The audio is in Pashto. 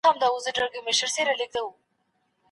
ائتلاف څنګه جوړیږي؟